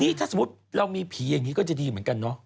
นี่ถ้าสมมุติเรามีผีอย่างนี้ก็จะดีเหมือนกันเนาะ